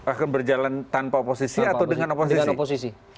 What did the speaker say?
akan berjalan tanpa oposisi atau dengan oposisi